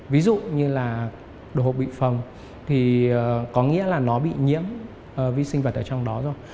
ví dụ như là đồ hộp bị phòng thì có nghĩa là nó bị nhiễm vi sinh vật ở trong đó rồi